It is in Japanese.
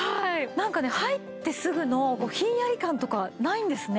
なんかね入ってすぐのひんやり感とかないんですね。